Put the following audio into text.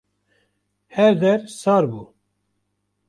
her der sar bû.